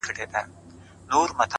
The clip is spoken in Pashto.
په سپين لاس کي يې دی سپين سگريټ نيولی؛